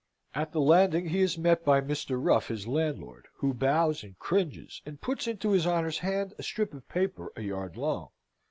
At the landing he is met by Mr. Ruff, his landlord, who bows and cringes and puts into his honour's hand a strip of paper a yard long.